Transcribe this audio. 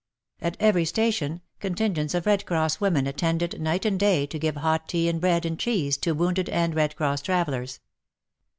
At every station, contingents of Red Cross women attended night and day to give hot tea and bread and cheese to wounded and Red Cross travellers.